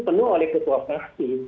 penuh oleh ketua fraksi